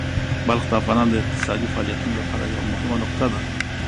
بلخ د افغانانو د اقتصادي فعالیتونو لپاره یوه مهمه نقطه ده.